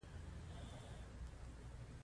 سترګې د لیدلو حس لري